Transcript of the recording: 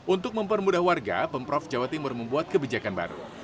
untuk mempermudah warga pemprov jawa timur membuat kebijakan baru